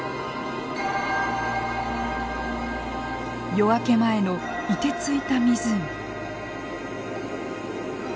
夜明け前のいてついた湖。